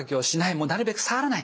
もうなるべく触らない。